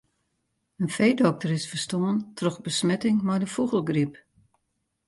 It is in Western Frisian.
In feedokter is ferstoarn troch besmetting mei de fûgelgryp.